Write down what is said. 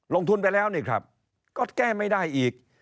ลงทุนไปแล้วนี่ครับก็แก้ไม่ได้อีก